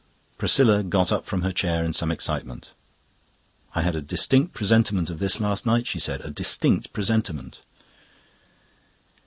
Priscilla got up from her chair in some excitement. "I had a distinct presentiment of this last night," she said. "A distinct presentiment."